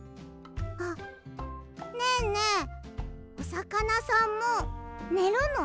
あっねえねえおさかなさんもねるの？